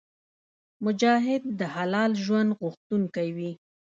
مجاهد د حلال ژوند غوښتونکی وي.